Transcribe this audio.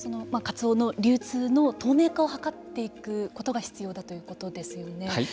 カツオの流通の透明化を図っていくことが必要だということですよね。